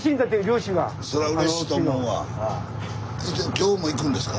今日も行くんですか？